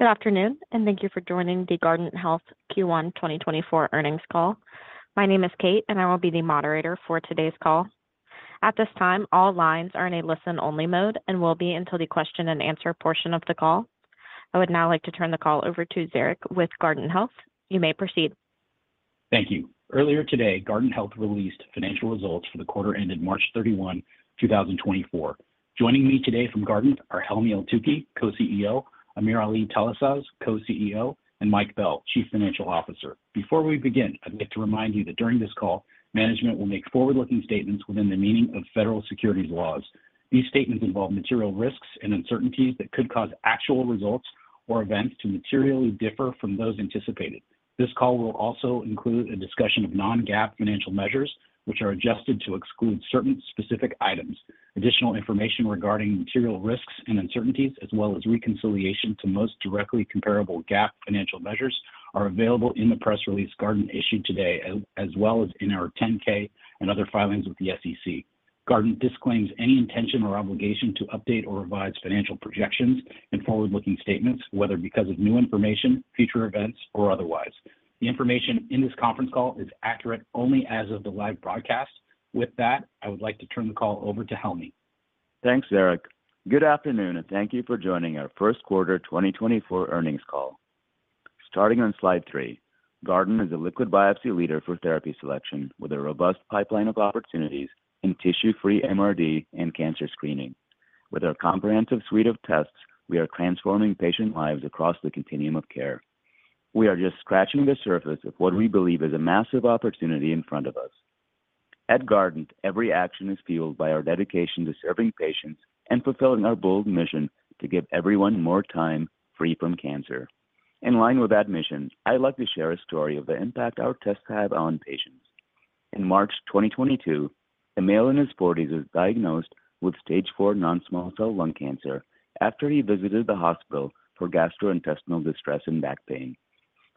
Good afternoon, and thank you for joining the Guardant Health Q1 2024 earnings call. My name is Kate, and I will be the moderator for today's call. At this time, all lines are in a listen-only mode and will be until the question-and-answer portion of the call. I would now like to turn the call over to Zarak with Guardant Health. You may proceed. Thank you. Earlier today, Guardant Health released financial results for the quarter ended March 31, 2024. Joining me today from Guardant are Helmy Eltoukhy, Co-CEO; AmirAli Talasaz, Co-CEO; and Mike Bell, Chief Financial Officer. Before we begin, I'd like to remind you that during this call, management will make forward-looking statements within the meaning of federal securities laws. These statements involve material risks and uncertainties that could cause actual results or events to materially differ from those anticipated. This call will also include a discussion of non-GAAP financial measures, which are adjusted to exclude certain specific items. Additional information regarding material risks and uncertainties, as well as reconciliation to most directly comparable GAAP financial measures, are available in the press release Guardant issued today, as well as in our 10-K and other filings with the SEC. Guardant disclaims any intention or obligation to update or revise financial projections and forward-looking statements, whether because of new information, future events, or otherwise. The information in this conference call is accurate only as of the live broadcast. With that, I would like to turn the call over to Helmy. Thanks, Zarak. Good afternoon, and thank you for joining our first quarter 2024 earnings call. Starting on slide three, Guardant is a liquid biopsy leader for therapy selection with a robust pipeline of opportunities in tissue-free MRD and cancer screening. With our comprehensive suite of tests, we are transforming patient lives across the continuum of care. We are just scratching the surface of what we believe is a massive opportunity in front of us. At Guardant, every action is fueled by our dedication to serving patients and fulfilling our bold mission to give everyone more time free from cancer. In line with that mission, I'd like to share a story of the impact our tests have on patients. In March 2022, a male in his 40s was diagnosed with stage IV non-small cell lung cancer after he visited the hospital for gastrointestinal distress and back pain.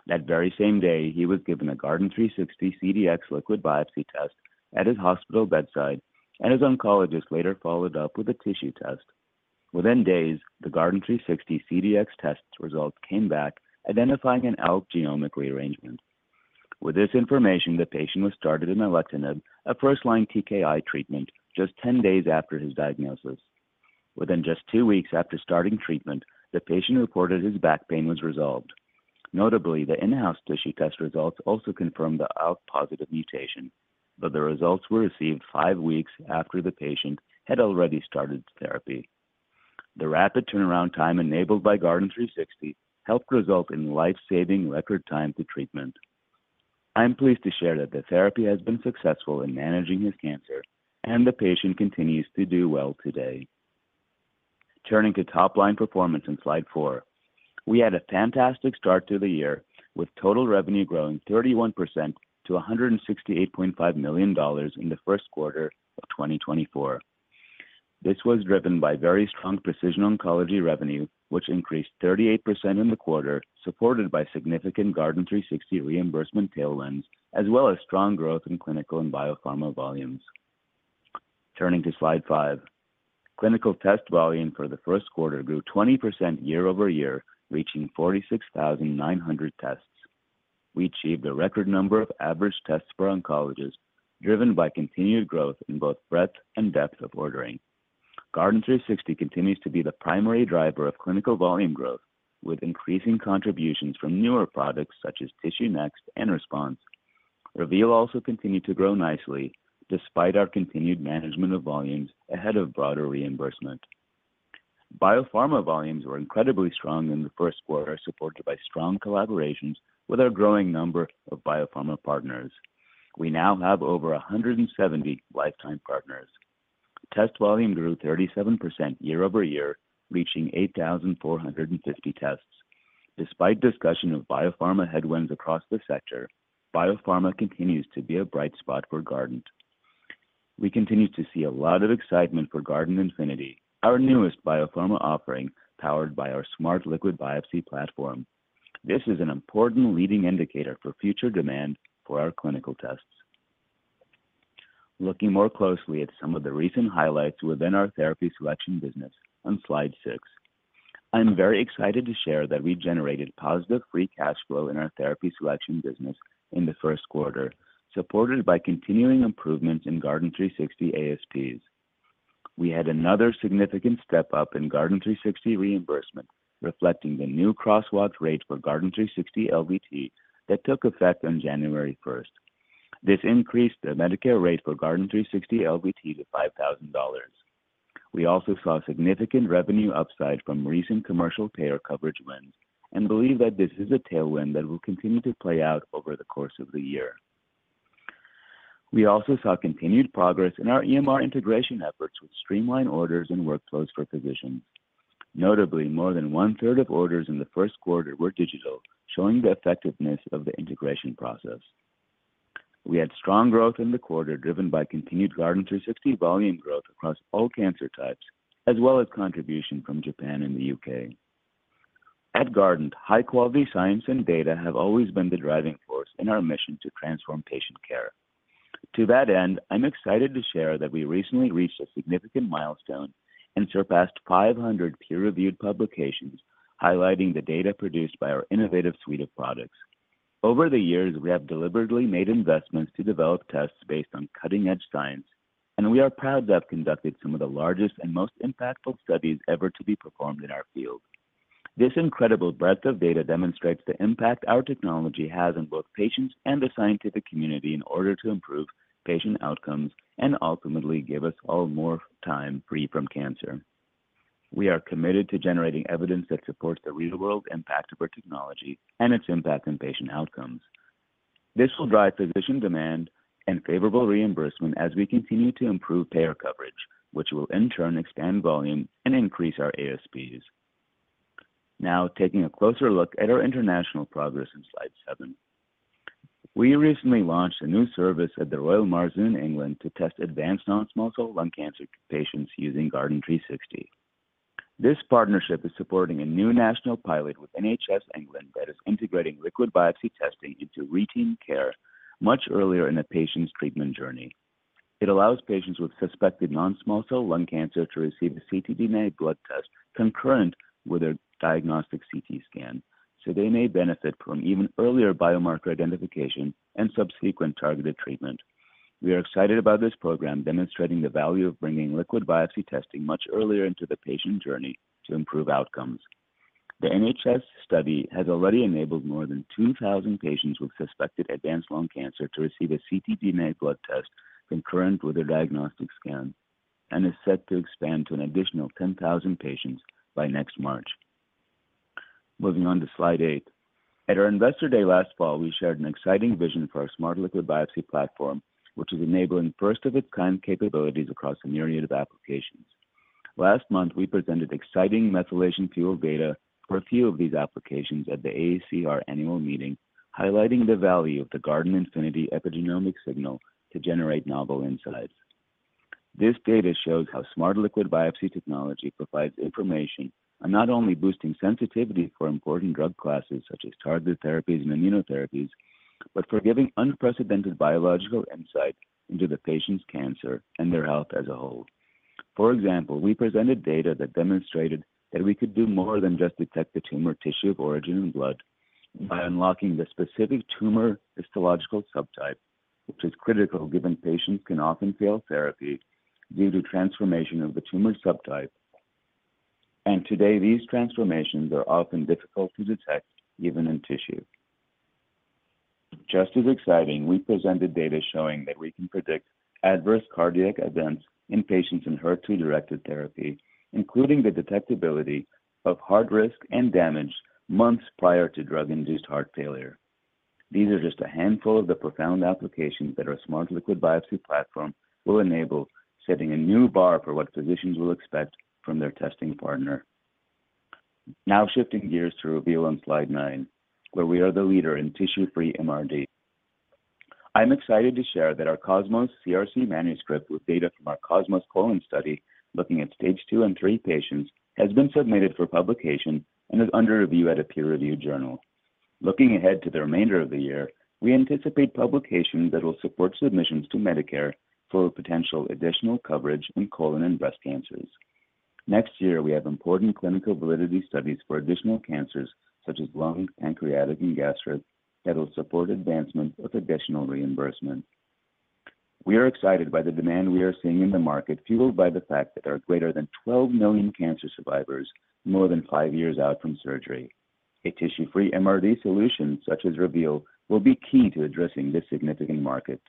That very same day, he was given a Guardant360 CDx liquid biopsy test at his hospital bedside, and his oncologist later followed up with a tissue test. Within days, the Guardant360 CDx test results came back identifying an ALK genomic rearrangement. With this information, the patient was started on alectinib, a first-line TKI treatment, just 10 days after his diagnosis. Within just two weeks after starting treatment, the patient reported his back pain was resolved. Notably, the in-house tissue test results also confirmed the ALK-positive mutation, but the results were received five weeks after the patient had already started therapy. The rapid turnaround time enabled by Guardant360 helped result in life-saving record time to treatment. I'm pleased to share that the therapy has been successful in managing his cancer, and the patient continues to do well today. Turning to top-line performance on slide four, we had a fantastic start to the year with total revenue growing 31% to $168.5 million in the first quarter of 2024. This was driven by very strong precision oncology revenue, which increased 38% in the quarter, supported by significant Guardant360 reimbursement tailwinds, as well as strong growth in clinical and biopharma volumes. Turning to slide five, clinical test volume for the first quarter grew 20% year-over-year, reaching 46,900 tests. We achieved a record number of average tests per oncologist, driven by continued growth in both breadth and depth of ordering. Guardant360 continues to be the primary driver of clinical volume growth, with increasing contributions from newer products such as TissueNext and Response. Reveal also continued to grow nicely despite our continued management of volumes ahead of broader reimbursement. Biopharma volumes were incredibly strong in the first quarter, supported by strong collaborations with our growing number of biopharma partners. We now have over 170 lifetime partners. Test volume grew 37% year-over-year, reaching 8,450 tests. Despite discussion of biopharma headwinds across the sector, biopharma continues to be a bright spot for Guardant. We continue to see a lot of excitement for Guardant Infinity, our newest biopharma offering powered by our smart liquid biopsy platform. This is an important leading indicator for future demand for our clinical tests. Looking more closely at some of the recent highlights within our therapy selection business on slide six, I'm very excited to share that we generated positive free cash flow in our therapy selection business in the first quarter, supported by continuing improvements in Guardant360 ASPs. We had another significant step up in Guardant360 reimbursement, reflecting the new crosswalked rate for Guardant360 LDT that took effect on January 1st. This increased the Medicare rate for Guardant360 LDT to $5,000. We also saw significant revenue upside from recent commercial payer coverage wins and believe that this is a tailwind that will continue to play out over the course of the year. We also saw continued progress in our EMR integration efforts with streamlined orders and workflows for physicians. Notably, more than one-third of orders in the first quarter were digital, showing the effectiveness of the integration process. We had strong growth in the quarter, driven by continued Guardant360 volume growth across all cancer types, as well as contribution from Japan and the U.K.. At Guardant, high-quality science and data have always been the driving force in our mission to transform patient care. To that end, I'm excited to share that we recently reached a significant milestone and surpassed 500 peer-reviewed publications highlighting the data produced by our innovative suite of products. Over the years, we have deliberately made investments to develop tests based on cutting-edge science, and we are proud to have conducted some of the largest and most impactful studies ever to be performed in our field. This incredible breadth of data demonstrates the impact our technology has on both patients and the scientific community in order to improve patient outcomes and ultimately give us all more time free from cancer. We are committed to generating evidence that supports the real-world impact of our technology and its impact on patient outcomes. This will drive physician demand and favorable reimbursement as we continue to improve payer coverage, which will in turn expand volume and increase our ASPs. Now, taking a closer look at our international progress on slide seven, we recently launched a new service at The Royal Marsden in England to test advanced non-small cell lung cancer patients using Guardant360. This partnership is supporting a new national pilot with NHS England that is integrating liquid biopsy testing into routine care much earlier in a patient's treatment journey. It allows patients with suspected non-small cell lung cancer to receive a ctDNA blood test concurrent with their diagnostic CT scan, so they may benefit from even earlier biomarker identification and subsequent targeted treatment. We are excited about this program demonstrating the value of bringing liquid biopsy testing much earlier into the patient journey to improve outcomes. The NHS study has already enabled more than 2,000 patients with suspected advanced lung cancer to receive a ctDNA blood test concurrent with their diagnostic scan and is set to expand to an additional 10,000 patients by next March. Moving on to slide eight, at our investor day last fall, we shared an exciting vision for our smart liquid biopsy platform, which is enabling first-of-its-kind capabilities across a myriad of applications. Last month, we presented exciting methylation fuel data for a few of these applications at the AACR annual meeting, highlighting the value of the Guardant Infinity epigenomic signal to generate novel insights. This data shows how smart liquid biopsy technology provides information on not only boosting sensitivity for important drug classes such as targeted therapies and immunotherapies, but for giving unprecedented biological insight into the patient's cancer and their health as a whole. For example, we presented data that demonstrated that we could do more than just detect the tumor tissue of origin in blood by unlocking the specific tumor histological subtype, which is critical given patients can often fail therapy due to transformation of the tumor subtype, and today these transformations are often difficult to detect even in tissue. Just as exciting, we presented data showing that we can predict adverse cardiac events in patients in HER2-directed therapy, including the detectability of heart risk and damage months prior to drug-induced heart failure. These are just a handful of the profound applications that our smart liquid biopsy platform will enable, setting a new bar for what physicians will expect from their testing partner. Now shifting gears to Reveal on slide nine, where we are the leader in tissue-free MRD. I'm excited to share that our COSMOS CRC manuscript with data from our COSMOS colon study looking at stage II and III patients has been submitted for publication and is under review at a peer-reviewed journal. Looking ahead to the remainder of the year, we anticipate publications that will support submissions to Medicare for potential additional coverage in colon and breast cancers. Next year, we have important clinical validity studies for additional cancers such as lung, pancreatic, and gastric that will support advancement of additional reimbursement. We are excited by the demand we are seeing in the market, fueled by the fact that there are greater than 12 million cancer survivors more than five years out from surgery. A tissue-free MRD solution such as Reveal will be key to addressing this significant market.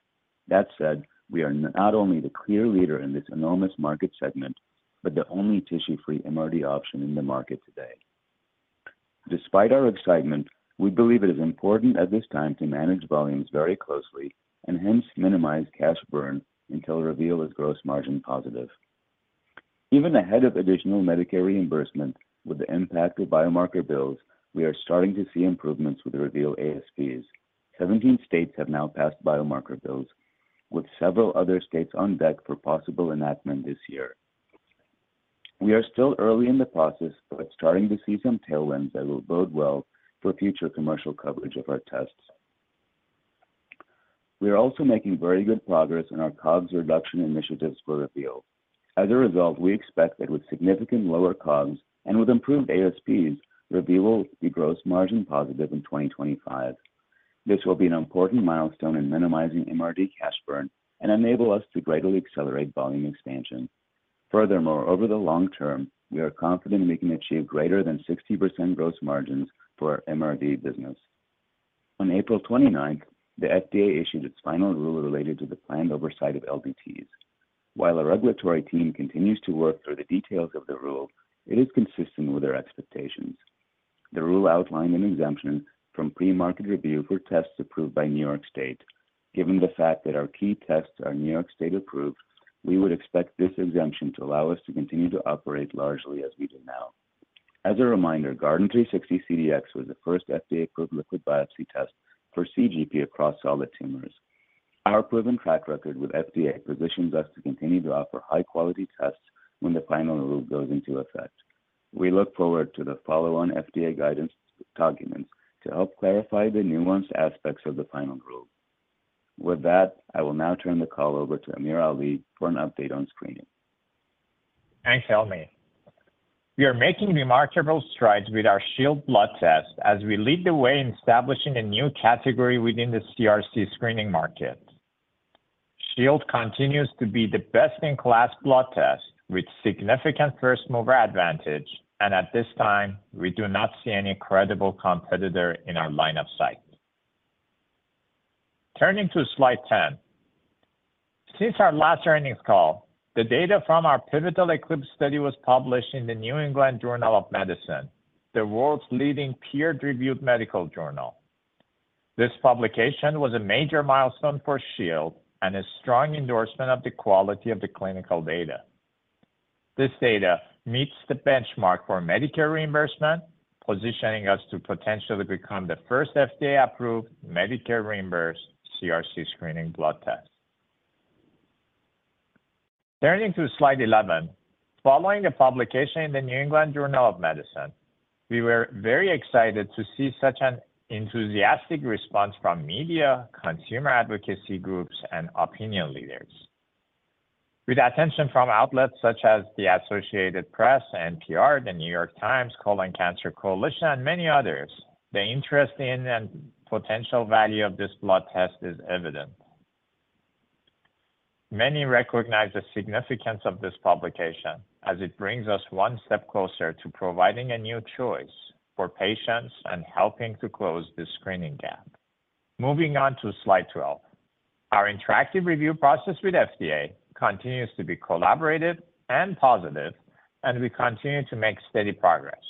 That said, we are not only the clear leader in this enormous market segment, but the only tissue-free MRD option in the market today. Despite our excitement, we believe it is important at this time to manage volumes very closely and hence minimize cash burn until Reveal is gross margin positive. Even ahead of additional Medicare reimbursement with the impact of biomarker bills, we are starting to see improvements with Reveal ASPs. 17 states have now passed biomarker bills, with several other states on deck for possible enactment this year. We are still early in the process, but starting to see some tailwinds that will bode well for future commercial coverage of our tests. We are also making very good progress in our COGS reduction initiatives for Reveal. As a result, we expect that with significant lower COGS and with improved ASPs, Reveal will be gross margin positive in 2025. This will be an important milestone in minimizing MRD cash burn and enable us to greatly accelerate volume expansion. Furthermore, over the long term, we are confident we can achieve greater than 60% gross margins for our MRD business. On April 29th, the FDA issued its final rule related to the planned oversight of LDTs. While our regulatory team continues to work through the details of the rule, it is consistent with our expectations. The rule outlined an exemption from pre-market review for tests approved by New York State. Given the fact that our key tests are New York State approved, we would expect this exemption to allow us to continue to operate largely as we do now. As a reminder, Guardant360 CDx was the first FDA-approved liquid biopsy test for CGP across solid tumors. Our proven track record with FDA positions us to continue to offer high-quality tests when the final rule goes into effect. We look forward to the follow-on FDA guidance documents to help clarify the nuanced aspects of the final rule. With that, I will now turn the call over to AmirAli for an update on screening. Thanks, Helmy. We are making remarkable strides with our Shield blood test as we lead the way in establishing a new category within the CRC screening market. Shield continues to be the best-in-class blood test with significant first-mover advantage, and at this time, we do not see any credible competitor in our line of sight. Turning to slide 10, since our last earnings call, the data from our pivotal ECLIPSE study was published in the New England Journal of Medicine, the world's leading peer-reviewed medical journal. This publication was a major milestone for Shield and a strong endorsement of the quality of the clinical data. This data meets the benchmark for Medicare reimbursement, positioning us to potentially become the first FDA-approved Medicare-reimbursed CRC screening blood test. Turning to slide 11, following the publication in the New England Journal of Medicine, we were very excited to see such an enthusiastic response from media, consumer advocacy groups, and opinion leaders. With attention from outlets such as the Associated Press, NPR, The New York Times, Colon Cancer Coalition, and many others, the interest in and potential value of this blood test is evident. Many recognize the significance of this publication as it brings us one step closer to providing a new choice for patients and helping to close the screening gap. Moving on to slide 12, our interactive review process with FDA continues to be collaborative and positive, and we continue to make steady progress.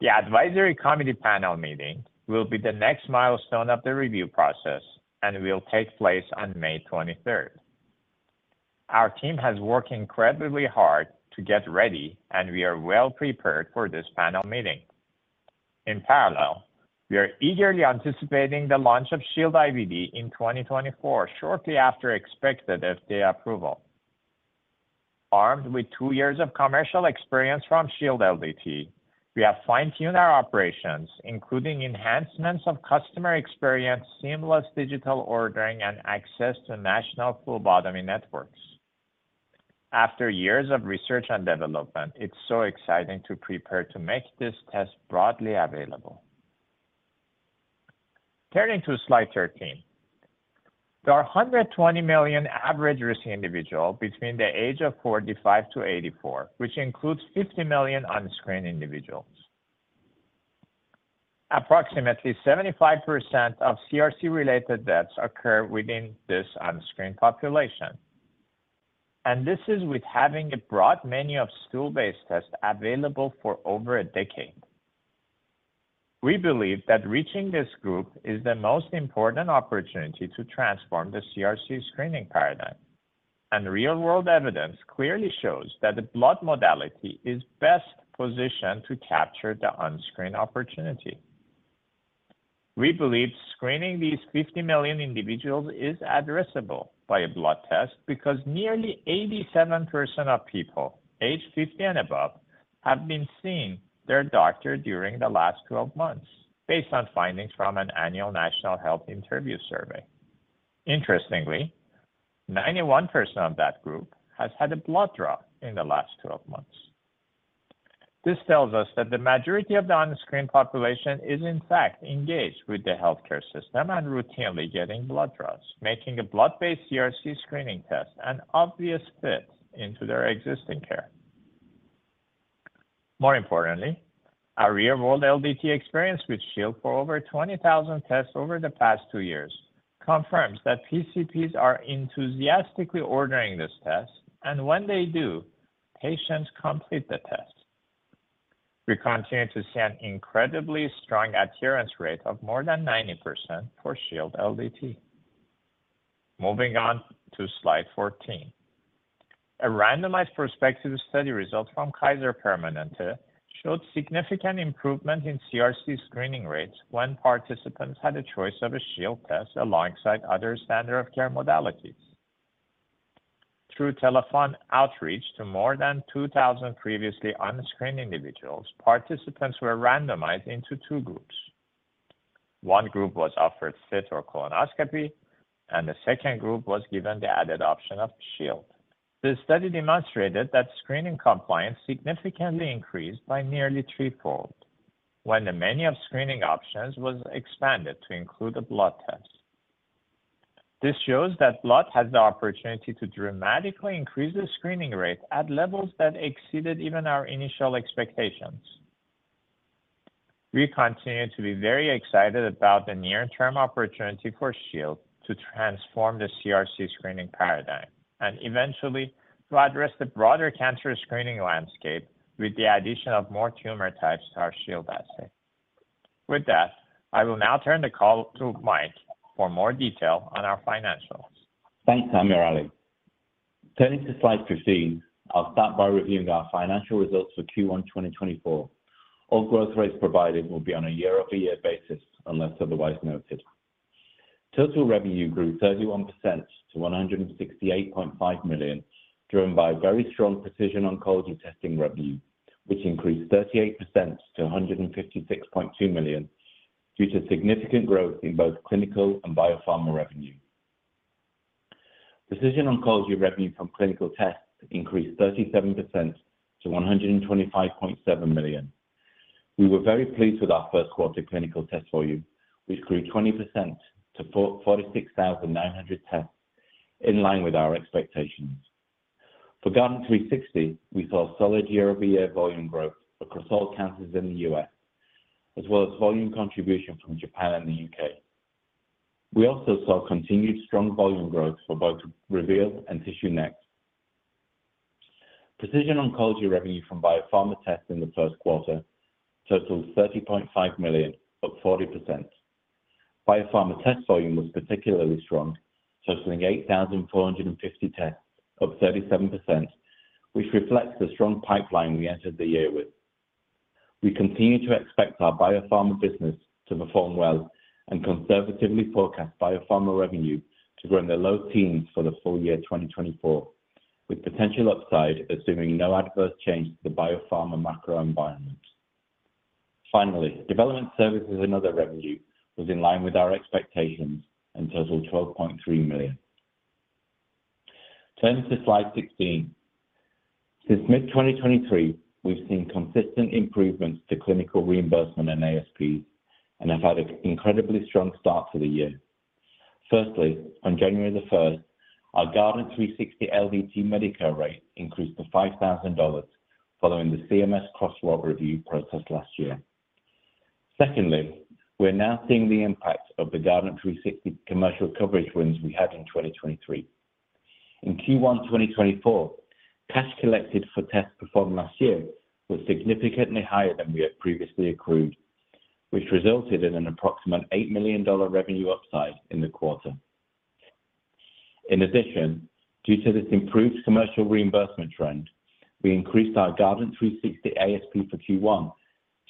The advisory committee panel meeting will be the next milestone of the review process, and it will take place on May 23rd. Our team has worked incredibly hard to get ready, and we are well prepared for this panel meeting. In parallel, we are eagerly anticipating the launch of Sheild IVD in 2024, shortly after expected FDA approval. Armed with 2 years of commercial experience from Sheild LDT, we have fine-tuned our operations, including enhancements of customer experience, seamless digital ordering, and access to national phlebotomy networks. After years of research and development, it's so exciting to prepare to make this test broadly available. Turning to slide 13, there are 120 million average-risk individuals between the ages of 45-84, which includes 50 million unscreened individuals. Approximately 75% of CRC-related deaths occur within this unscreened population, and this is with having a broad menu of stool-based tests available for over a decade. We believe that reaching this group is the most important opportunity to transform the CRC screening paradigm, and real-world evidence clearly shows that the blood modality is best positioned to capture the unscreened opportunity. We believe screening these 50 million individuals is addressable by a blood test because nearly 87% of people aged 50 and above have been seeing their doctor during the last 12 months, based on findings from an annual national health interview survey. Interestingly, 91% of that group has had a blood draw in the last 12 months. This tells us that the majority of the unscreened population is, in fact, engaged with the healthcare system and routinely getting blood draws, making a blood-based CRC screening test an obvious fit into their existing care. More importantly, our real-world LDT experience with Shield for over 20,000 tests over the past 2 years confirms that PCPs are enthusiastically ordering this test, and when they do, patients complete the test. We continue to see an incredibly strong adherence rate of more than 90% for Shield LDT. Moving on to slide 14, a randomized prospective study result from Kaiser Permanente showed significant improvement in CRC screening rates when participants had a choice of a Shield test alongside other standard-of-care modalities. Through telephone outreach to more than 2,000 previously on-screen individuals, participants were randomized into two groups. One group was offered FIT or colonoscopy, and the second group was given the added option of Shield. The study demonstrated that screening compliance significantly increased by nearly threefold when the menu of screening options was expanded to include a blood test. This shows that blood has the opportunity to dramatically increase the screening rate at levels that exceeded even our initial expectations. We continue to be very excited about the near-term opportunity for Shield to transform the CRC screening paradigm and eventually to address the broader cancer screening landscape with the addition of more tumor types to our Shield assay. With that, I will now turn the call to Mike for more detail on our financials. Thanks, AmirAli. Turning to slide 15, I'll start by reviewing our financial results for Q1 2024. All growth rates provided will be on a year-over-year basis unless otherwise noted. Total revenue grew 31% to $168.5 million, driven by very strong precision oncology testing revenue, which increased 38% to $156.2 million due to significant growth in both clinical and biopharma revenue. Precision oncology revenue from clinical tests increased 37% to $125.7 million. We were very pleased with our first-quarter clinical test volume, which grew 20% to 46,900 tests, in line with our expectations. For Guardant360, we saw solid year-over-year volume growth across all cancers in the U.S., as well as volume contribution from Japan and the U.K. We also saw continued strong volume growth for both Guardant Reveal and TissueNext. Precision oncology revenue from biopharma tests in the first quarter totaled $30.5 million, up 40%. Biopharma test volume was particularly strong, totaling 8,450 tests, up 37%, which reflects the strong pipeline we entered the year with. We continue to expect our biopharma business to perform well and conservatively forecast biopharma revenue to grow in the low teens for the full year 2024, with potential upside assuming no adverse change to the biopharma macroenvironment. Finally, development services and other revenue was in line with our expectations and totaled $12.3 million. Turning to slide 16, since mid-2023, we've seen consistent improvements to clinical reimbursement and ASPs and have had an incredibly strong start to the year. Firstly, on January 1st, our Guardant360 LDT Medicare rate increased to $5,000 following the CMS Crosswalk review process last year. Secondly, we're now seeing the impact of the Guardant360 commercial coverage wins we had in 2023. In Q1 2024, cash collected for tests performed last year was significantly higher than we had previously accrued, which resulted in an approximate $8 million revenue upside in the quarter. In addition, due to this improved commercial reimbursement trend, we increased our Guardant360 ASP for Q1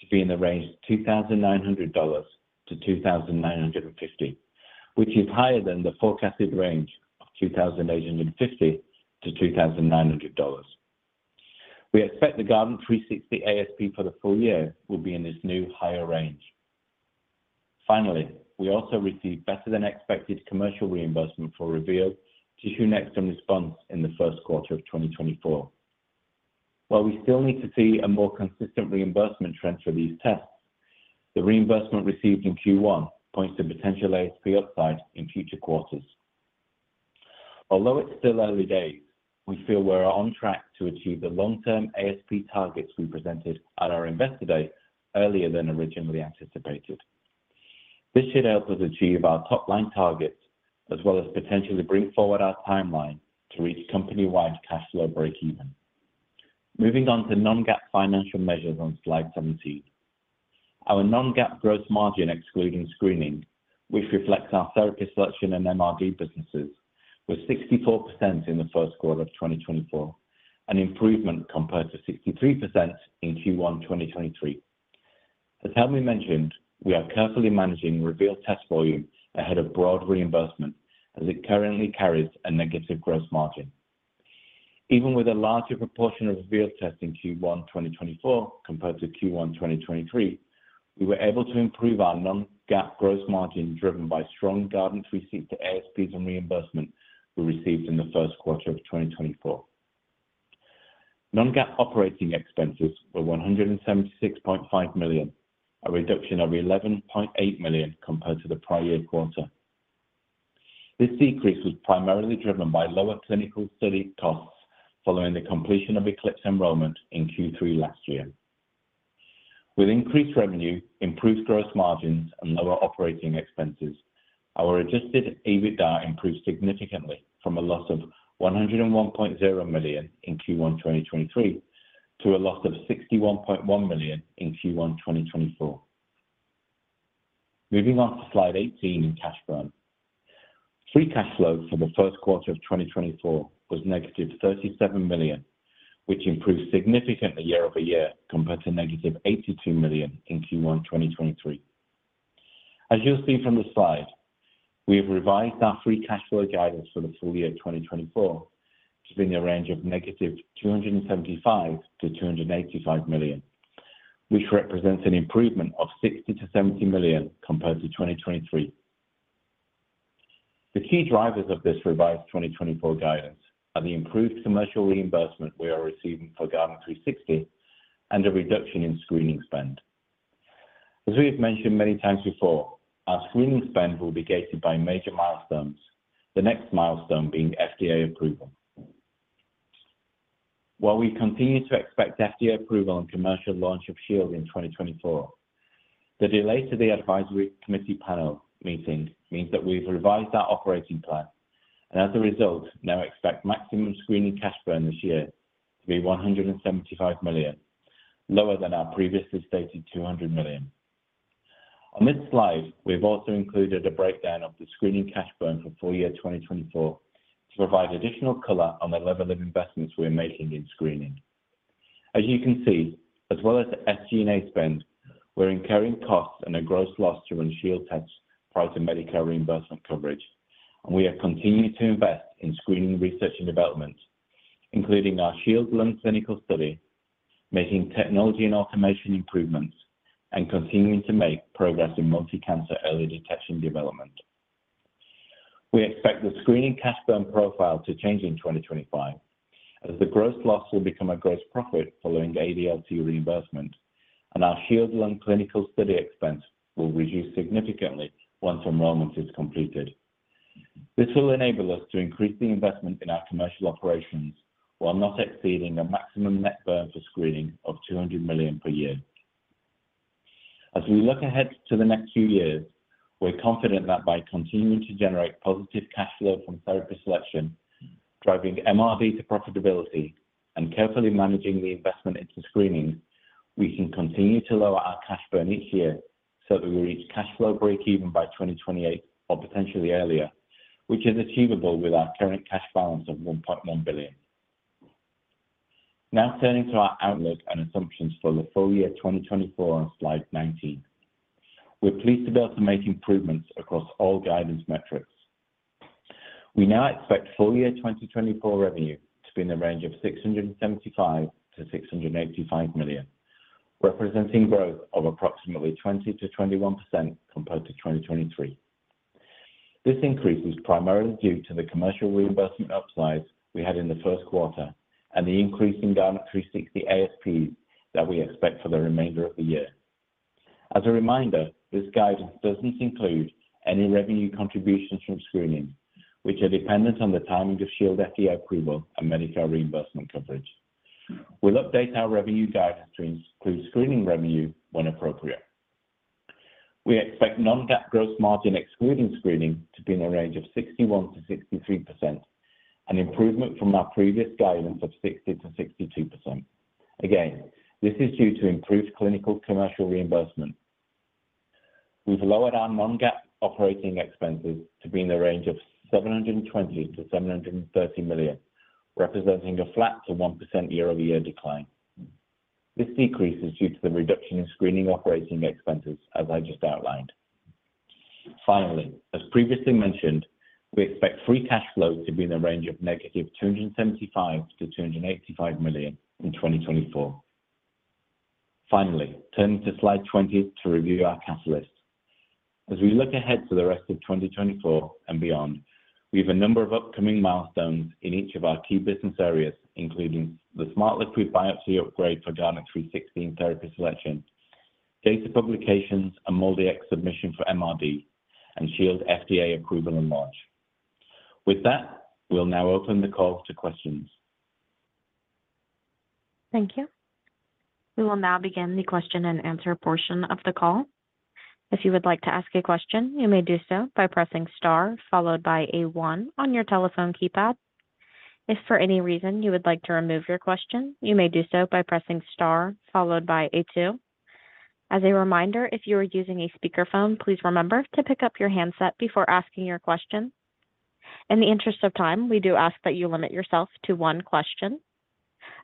to be in the range of $2,900-$2,950, which is higher than the forecasted range of $2,850-$2,900. We expect the Guardant360 ASP for the full year will be in this new higher range. Finally, we also received better-than-expected commercial reimbursement for Reveal, TissueNext, and Response in the first quarter of 2024. While we still need to see a more consistent reimbursement trend for these tests, the reimbursement received in Q1 points to potential ASP upside in future quarters. Although it's still early days, we feel we're on track to achieve the long-term ASP targets we presented at our investor day earlier than originally anticipated. This should help us achieve our top-line targets as well as potentially bring forward our timeline to reach company-wide cash flow break-even. Moving on to non-GAAP financial measures on slide 17, our non-GAAP gross margin excluding screening, which reflects our therapy selection and MRD businesses, was 64% in the first quarter of 2024, an improvement compared to 63% in Q1 2023. As Helmy mentioned, we are carefully managing Reveal test volume ahead of broad reimbursement as it currently carries a negative gross margin. Even with a larger proportion of Reveal tests in Q1 2024 compared to Q1 2023, we were able to improve our non-GAAP gross margin driven by strong Guardant360 ASPs and reimbursement we received in the first quarter of 2024. Non-GAAP operating expenses were $176.5 million, a reduction of $11.8 million compared to the prior year quarter. This decrease was primarily driven by lower clinical study costs following the completion of ECLIPSE enrollment in Q3 last year. With increased revenue, improved gross margins, and lower operating expenses, our adjusted EBITDA improved significantly from a loss of $101.0 million in Q1 2023 to a loss of $61.1 million in Q1 2024. Moving on to slide 18 in cash burn, free cash flow for the first quarter of 2024 was negative $37 million, which improved significantly year-over-year compared to negative $82 million in Q1 2023. As you'll see from the slide, we have revised our free cash flow guidance for the full year 2024 to be in the range of negative $275 million-$285 million, which represents an improvement of $60 million-$70 million compared to 2023. The key drivers of this revised 2024 guidance are the improved commercial reimbursement we are receiving for Guardant360 and a reduction in screening spend. As we have mentioned many times before, our screening spend will be gated by major milestones, the next milestone being FDA approval. While we continue to expect FDA approval on commercial launch of Shield in 2024, the delay to the advisory committee panel meeting means that we've revised our operating plan and, as a result, now expect maximum screening cash burn this year to be $175 million, lower than our previously stated $200 million. On this slide, we've also included a breakdown of the screening cash burn for full year 2024 to provide additional color on the level of investments we're making in screening. As you can see, as well as SG&A spend, we're incurring costs and a gross loss to run Shield tests prior to Medicare reimbursement coverage, and we have continued to invest in screening research and development, including our Shield lung clinical study, making technology and automation improvements, and continuing to make progress in multicancer early detection development. We expect the screening cash burn profile to change in 2025 as the gross loss will become a gross profit following ADLT reimbursement, and our Shield lung clinical study expense will reduce significantly once enrollment is completed. This will enable us to increase the investment in our commercial operations while not exceeding a maximum net burn for screening of $200 million per year. As we look ahead to the next few years, we're confident that by continuing to generate positive cash flow from therapy selection, driving MRD to profitability, and carefully managing the investment into screening, we can continue to lower our cash burn each year so that we reach cash flow break-even by 2028 or potentially earlier, which is achievable with our current cash balance of $1.1 billion. Now turning to our outlook and assumptions for the full year 2024 on slide 19, we're pleased to be able to make improvements across all guidance metrics. We now expect full year 2024 revenue to be in the range of $675 million-$685 million, representing growth of approximately 20%-21% compared to 2023. This increase is primarily due to the commercial reimbursement upside we had in the first quarter and the increase in Guardant360 ASPs that we expect for the remainder of the year. As a reminder, this guidance doesn't include any revenue contributions from screening, which are dependent on the timing of Shield FDA approval and Medicare reimbursement coverage. We'll update our revenue guidance to include screening revenue when appropriate. We expect non-GAAP gross margin excluding screening to be in the range of 61%-63%, an improvement from our previous guidance of 60%-62%. Again, this is due to improved clinical commercial reimbursement. We've lowered our non-GAAP operating expenses to be in the range of $720 million-$730 million, representing a flat to 1% year-over-year decline. This decrease is due to the reduction in screening operating expenses, as I just outlined. Finally, as previously mentioned, we expect free cash flow to be in the range of -$275-$285 million in 2024. Finally, turning to slide 20 to review our catalyst, as we look ahead to the rest of 2024 and beyond, we have a number of upcoming milestones in each of our key business areas, including the Smart Liquid Biopsy upgrade for Guardant360 in therapy selection, data publications and MolDX submission for MRD, and Shield FDA approval and launch. With that, we'll now open the call to questions. Thank you. We will now begin the question-and-answer portion of the call. If you would like to ask a question, you may do so by pressing star followed by A1 on your telephone keypad. If for any reason you would like to remove your question, you may do so by pressing star followed by A2. As a reminder, if you are using a speakerphone, please remember to pick up your handset before asking your question. In the interest of time, we do ask that you limit yourself to one question.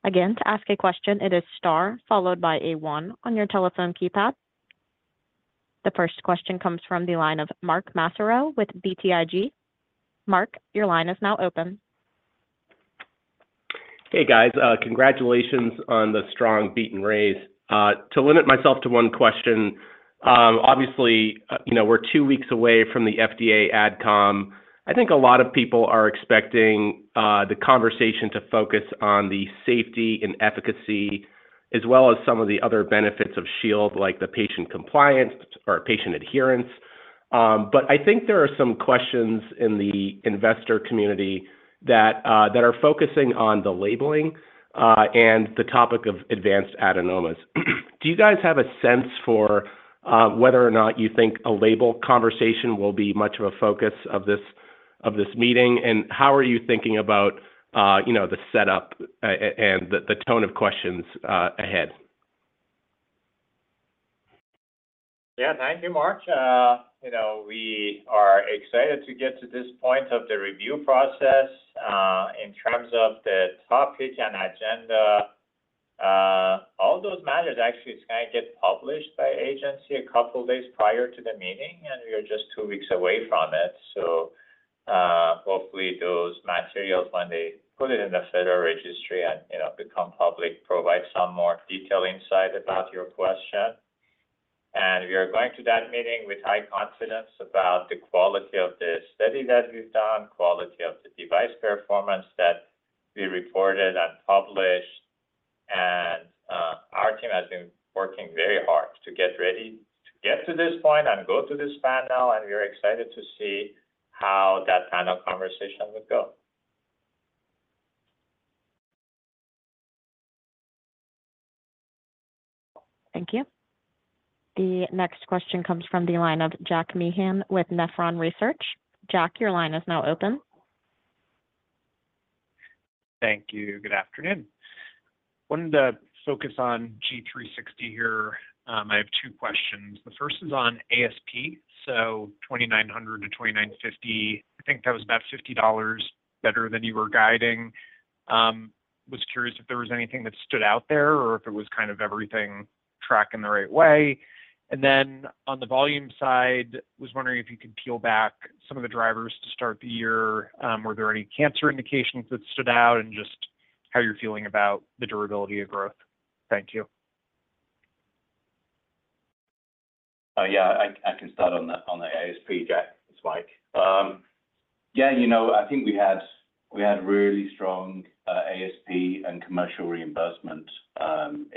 Again, to ask a question, it is star followed by A1 on your telephone keypad. The first question comes from the line of Mark Massaro with BTIG. Mark, your line is now open. Hey, guys. Congratulations on the strong beat and raise. To limit myself to one question, obviously, we're two weeks away from the FDA AdCom. I think a lot of people are expecting the conversation to focus on the safety and efficacy as well as some of the other benefits of Shield, like the patient compliance or patient adherence. But I think there are some questions in the investor community that are focusing on the labeling and the topic of advanced adenomas. Do you guys have a sense for whether or not you think a label conversation will be much of a focus of this meeting, and how are you thinking about the setup and the tone of questions ahead? Yeah, thank you, Mark. We are excited to get to this point of the review process in terms of the topic and agenda. All those matters actually is going to get published by agency a couple of days prior to the meeting, and we are just two weeks away from it. So hopefully, those materials, when they put it in the Federal Register and become public, provide some more detailed insight about your question. And we are going to that meeting with high confidence about the quality of the study that we've done, quality of the device performance that we reported and published. And our team has been working very hard to get ready to get to this point and go to this panel, and we are excited to see how that panel conversation would go. Thank you. The next question comes from the line of Jack Meehan with Nephron Research. Jack, your line is now open. Thank you. Good afternoon. Wanted to focus on G360 here. I have two questions. The first is on ASP, so 2,900-2,950. I think that was about $50 better than you were guiding. Was curious if there was anything that stood out there or if it was kind of everything tracking the right way. And then on the volume side, was wondering if you could peel back some of the drivers to start the year. Were there any cancer indications that stood out and just how you're feeling about the durability of growth? Thank you. Yeah, I can start on the ASP, Jack. It's Mike. Yeah, I think we had really strong ASP and commercial reimbursement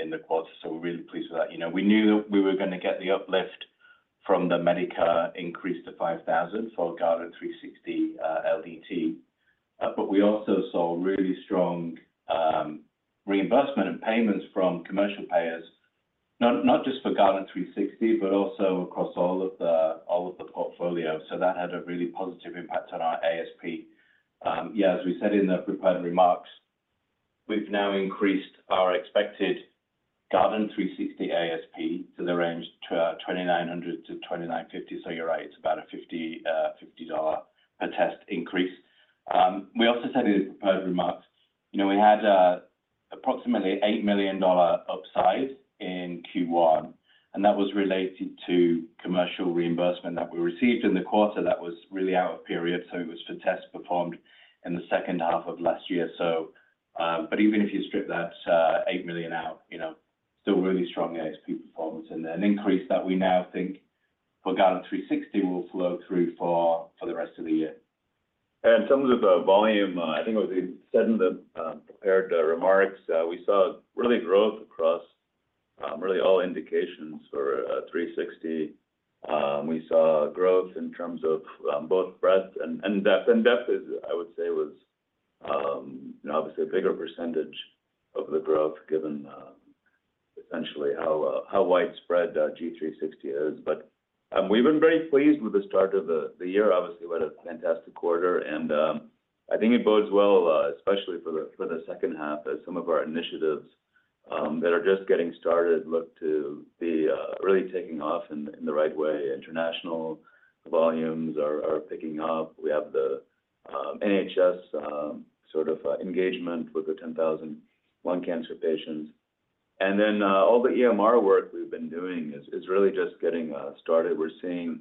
in the quarter, so we're really pleased with that. We knew that we were going to get the uplift from the Medicare increase to $5,000 for Guardant360 LDT. But we also saw really strong reimbursement and payments from commercial payers, not just for Guardant360, but also across all of the portfolio. So that had a really positive impact on our ASP. Yeah, as we said in the prepared remarks, we've now increased our expected Guardant360 ASP to the range $2,900-$2,950. So you're right, it's about a $50 per test increase. We also said in the prepared remarks, we had approximately $8 million upside in Q1, and that was related to commercial reimbursement that we received in the quarter that was really out of period. It was for tests performed in the second half of last year. Even if you strip that $8 million out, still really strong ASP performance and an increase that we now think for Guardant360 will flow through for the rest of the year. In terms of the volume, I think it was said in the prepared remarks, we saw really growth across really all indications for 360. We saw growth in terms of both breadth and depth. Depth, I would say, was obviously a bigger percentage of the growth given essentially how widespread G360 is. But we've been very pleased with the start of the year. Obviously, we had a fantastic quarter, and I think it bodes well, especially for the second half, as some of our initiatives that are just getting started look to be really taking off in the right way. International volumes are picking up. We have the NHS sort of engagement with the 10,000 lung cancer patients. Then all the EMR work we've been doing is really just getting started. We're seeing,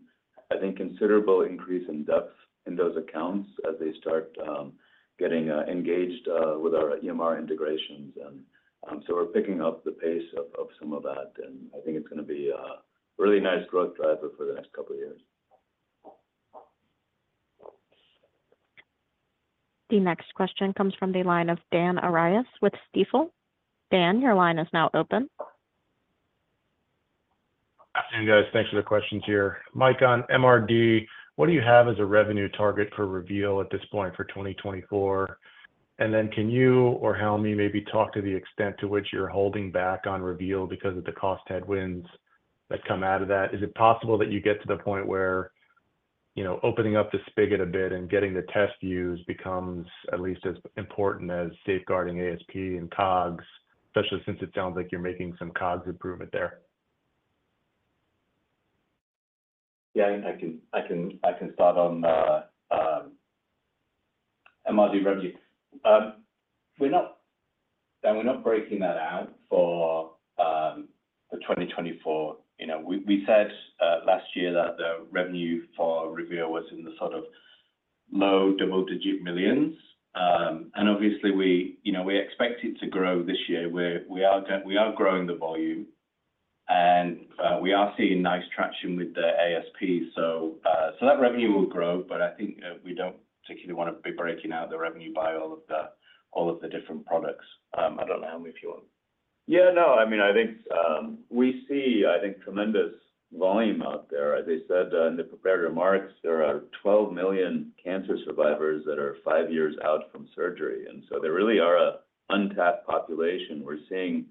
I think, considerable increase in depth in those accounts as they start getting engaged with our EMR integrations. And so we're picking up the pace of some of that, and I think it's going to be a really nice growth driver for the next couple of years. The next question comes from the line of Dan Arias with Stifel. Dan, your line is now open. Good afternoon, guys. Thanks for the questions here. Mike, on MRD, what do you have as a revenue target for reveal at this point for 2024? And then can you or Helmy maybe talk to the extent to which you're holding back on reveal because of the cost headwinds that come out of that? Is it possible that you get to the point where opening up the spigot a bit and getting the test views becomes at least as important as safeguarding ASP and COGS, especially since it sounds like you're making some COGS improvement there? Yeah, I can start on MRD revenue. Dan, we're not breaking that out for the 2024. We said last year that the revenue for Reveal was in the sort of low double-digit millions. And obviously, we expect it to grow this year. We are growing the volume, and we are seeing nice traction with the ASP. So that revenue will grow, but I think we don't particularly want to be breaking out the revenue by all of the different products. I don't know, Helmy, if you want. Yeah, no. I mean, I think we see, I think, tremendous volume out there. As I said in the prepared remarks, there are 12 million cancer survivors that are five years out from surgery. And so there really are an untapped population. We're seeing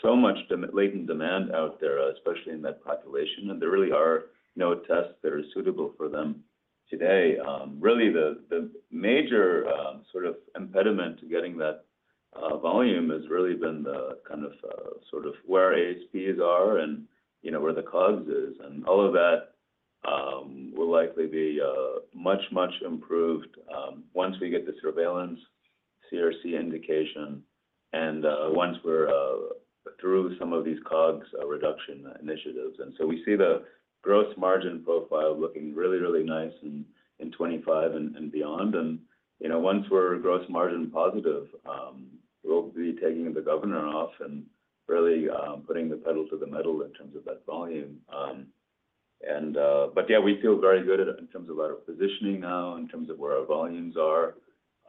so much latent demand out there, especially in that population, and there really are no tests that are suitable for them today. Really, the major sort of impediment to getting that volume has really been the kind of sort of where ASPs are and where the COGS is. And all of that will likely be much, much improved once we get the surveillance CRC indication and once we're through some of these COGS reduction initiatives. And so we see the gross margin profile looking really, really nice in 2025 and beyond. Once we're gross margin positive, we'll be taking the governor off and really putting the pedal to the metal in terms of that volume. But yeah, we feel very good in terms of our positioning now, in terms of where our volumes are.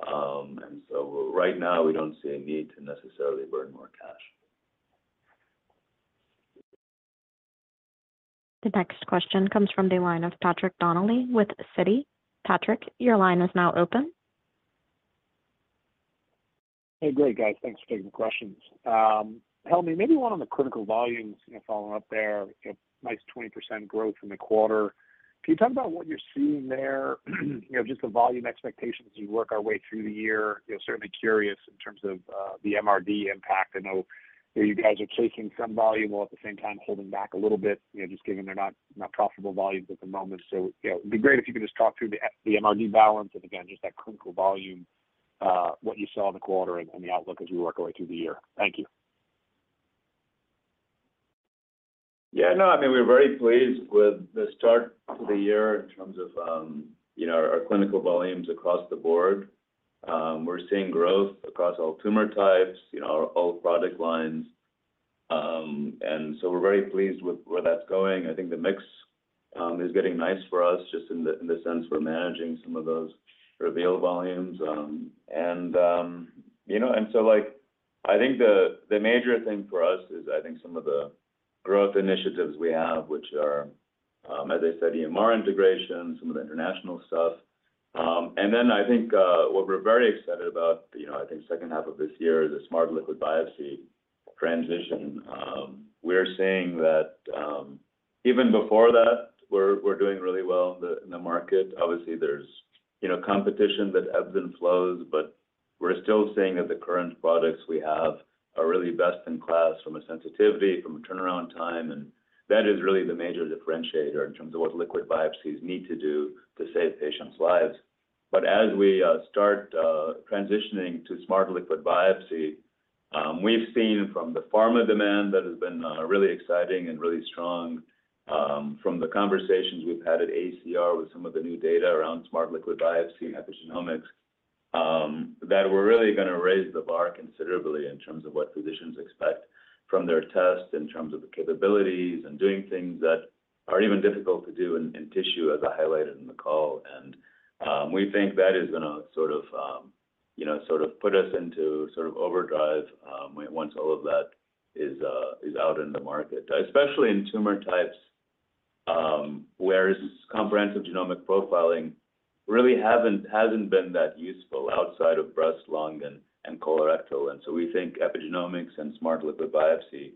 So right now, we don't see a need to necessarily burn more cash. The next question comes from the line of Patrick Donnelly with Citi. Patrick, your line is now open. Hey, great, guys. Thanks for taking questions. Helmy, maybe one on the critical volumes following up there, nice 20% growth in the quarter. Can you talk about what you're seeing there, just the volume expectations as we work our way through the year? Certainly curious in terms of the MRD impact. I know you guys are chasing some volume while at the same time holding back a little bit, just given they're not profitable volumes at the moment. So it'd be great if you could just talk through the MRD balance and, again, just that critical volume, what you saw in the quarter and the outlook as we work our way through the year. Thank you. Yeah, no. I mean, we're very pleased with the start to the year in terms of our clinical volumes across the board. We're seeing growth across all tumor types, all product lines. And so we're very pleased with where that's going. I think the mix is getting nice for us just in the sense we're managing some of those reveal volumes. And so I think the major thing for us is, I think, some of the growth initiatives we have, which are, as I said, EMR integration, some of the international stuff. And then I think what we're very excited about, I think, second half of this year is the Smart Liquid Biopsy transition. We're seeing that even before that, we're doing really well in the market. Obviously, there's competition that ebbs and flows, but we're still seeing that the current products we have are really best in class from a sensitivity, from a turnaround time. And that is really the major differentiator in terms of what liquid biopsies need to do to save patients' lives. But as we start transitioning to Smart Liquid Biopsy, we've seen from the pharma demand that has been really exciting and really strong from the conversations we've had at ACR with some of the new data around Smart Liquid Biopsy and epigenomics that we're really going to raise the bar considerably in terms of what physicians expect from their tests in terms of the capabilities and doing things that are even difficult to do in tissue, as I highlighted in the call. We think that is going to sort of sort of put us into sort of overdrive once all of that is out in the market, especially in tumor types where comprehensive genomic profiling really hasn't been that useful outside of breast, lung, and colorectal. And so we think epigenomics and Smart Liquid Biopsy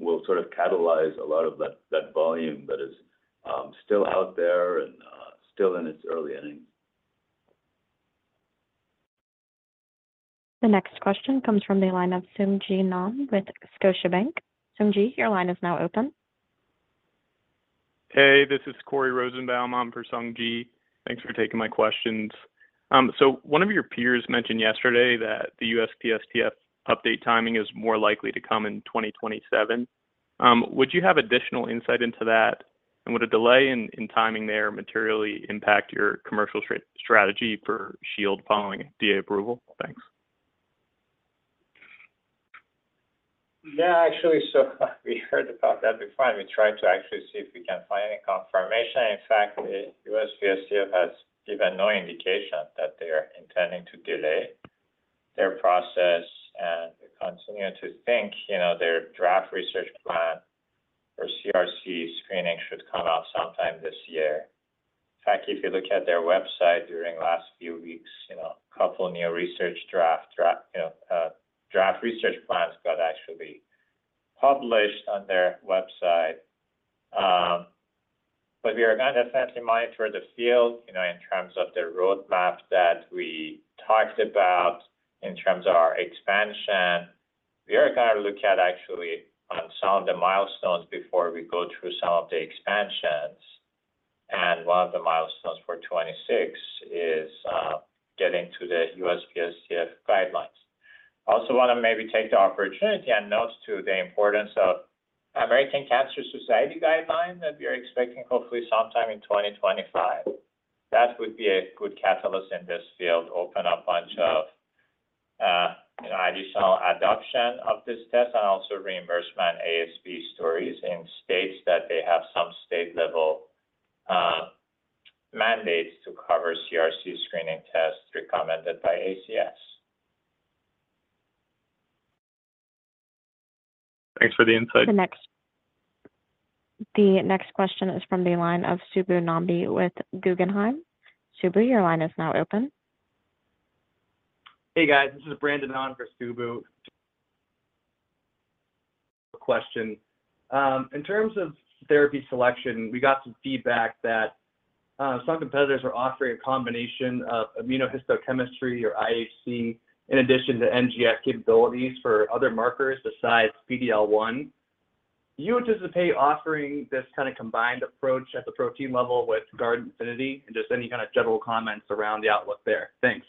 will sort of catalyze a lot of that volume that is still out there and still in its early innings. The next question comes from the line of Sung Ji Nam with Scotiabank. Sung Ji, your line is now open. Hey, this is Corey Rosenbaum. I'm for Sungji. Thanks for taking my questions. One of your peers mentioned yesterday that the USPSTF update timing is more likely to come in 2027. Would you have additional insight into that? And would a delay in timing there materially impact your commercial strategy for Shield following FDA approval? Thanks. Yeah, actually, so we heard about that before. We tried to actually see if we can find any confirmation. In fact, the USPSTF has given no indication that they are intending to delay their process and continue to think their draft research plan for CRC screening should come out sometime this year. In fact, if you look at their website during the last few weeks, a couple of new research draft research plans got actually published on their website. We are going to definitely monitor the field in terms of the roadmap that we talked about in terms of our expansion. We are going to look at actually on some of the milestones before we go through some of the expansions. One of the milestones for 2026 is getting to the USPSTF guidelines. Also, want to maybe take the opportunity and note the importance of American Cancer Society guideline that we are expecting, hopefully, sometime in 2025. That would be a good catalyst in this field, open up a bunch of additional adoption of this test and also reimbursement ASP stories in states that they have some state-level mandates to cover CRC screening tests recommended by ACS. Thanks for the insight. The next question is from the line of Subbu Nambi with Guggenheim. Subbu, your line is now open. Hey, guys. This is Brandon Zhang for Subbu. Question. In terms of therapy selection, we got some feedback that some competitors are offering a combination of immunohistochemistry or IHC in addition to NGS capabilities for other markers besides PD-L1. Do you anticipate offering this kind of combined approach at the protein level with Guardant Infinity and just any kind of general comments around the outlook there? Thanks.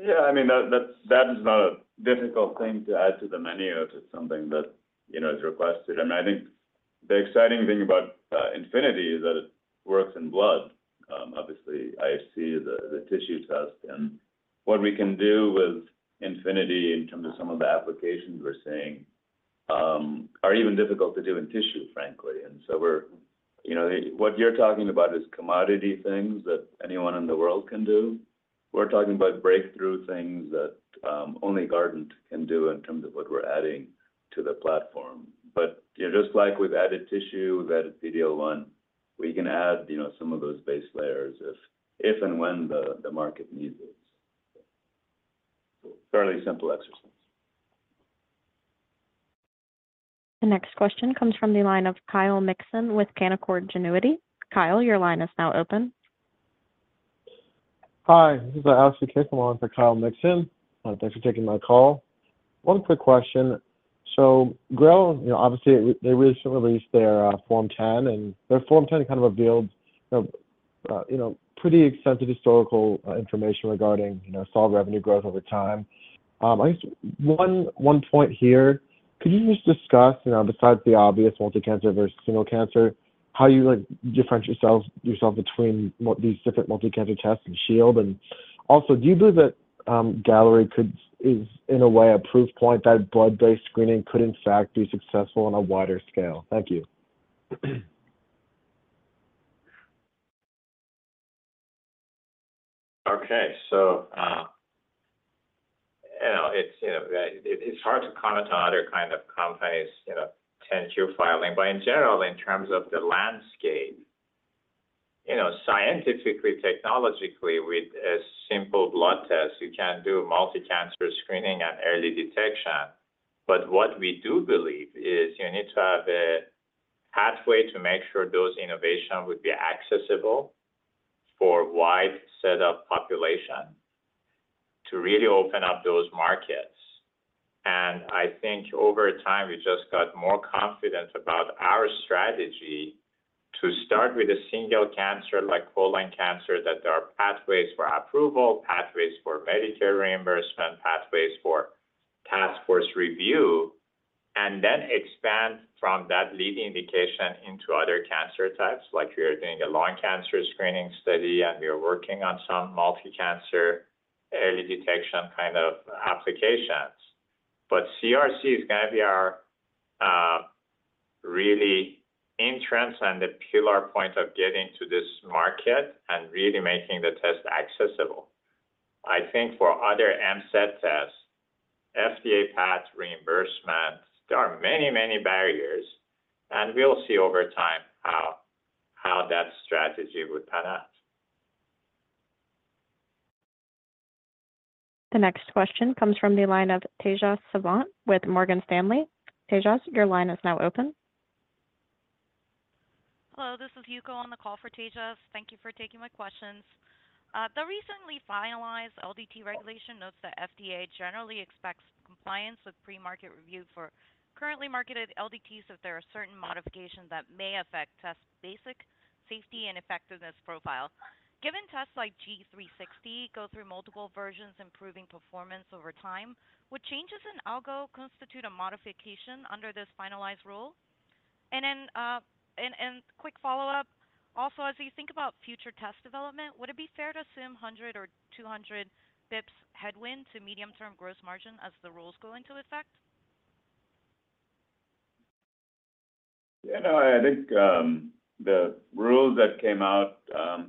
Yeah, I mean, that is not a difficult thing to add to the menu. It's something that is requested. I mean, I think the exciting thing about Infinity is that it works in blood, obviously, IHC, the tissue test. And what we can do with Infinity in terms of some of the applications we're seeing are even difficult to do in tissue, frankly. And so what you're talking about is commodity things that anyone in the world can do. We're talking about breakthrough things that only Guardant can do in terms of what we're adding to the platform. But just like we've added tissue, we've added PD-L1, we can add some of those base layers if and when the market needs it. Fairly simple exercise. The next question comes from the line of Kyle Mikson with Canaccord Genuity. Kyle, your line is now open. Hi. This is Andrew Crickmore for Kyle Mikson. Thanks for taking my call. One quick question. So GRAIL, obviously, they recently released their Form 10, and their Form 10 kind of revealed pretty extensive historical information regarding solid revenue growth over time. I guess one point here, could you just discuss, besides the obvious multi-cancer versus single cancer, how you differentiate yourself between these different multi-cancer tests and Shield? And also, do you believe that Galleri is, in a way, a proof point that blood-based screening could, in fact, be successful on a wider scale? Thank you. Okay. So it's hard to comment on other kinds of companies' 10-Q filing. But in general, in terms of the landscape, scientifically, technologically, with a simple blood test, you can do multi-cancer screening and early detection. But what we do believe is you need to have a pathway to make sure those innovations would be accessible for a wide set of populations to really open up those markets. And I think over time, we just got more confident about our strategy to start with a single cancer like colon cancer that there are pathways for approval, pathways for Medicare reimbursement, pathways for task force review, and then expand from that leading indication into other cancer types. We are doing a lung cancer screening study, and we are working on some multi-cancer early detection kind of applications. But CRC is going to be really the entrance and the pillar point of getting to this market and really making the test accessible. I think for other MCED tests, FDA-path reimbursement, there are many, many barriers. We'll see over time how that strategy would pan out. The next question comes from the line of Tejas Savant with Morgan Stanley. Tejas, your line is now open. Hello. This is Yuko on the call for Tejas. Thank you for taking my questions. The recently finalized LDT regulation notes that FDA generally expects compliance with pre-market review for currently marketed LDTs if there are certain modifications that may affect tests' basic safety and effectiveness profile. Given tests like G360 go through multiple versions improving performance over time, would changes in algo constitute a modification under this finalized rule? And then a quick follow-up, also, as you think about future test development, would it be fair to assume 100 or 200 basis points headwind to medium-term gross margin as the rules go into effect? Yeah, no, I think the rules that came out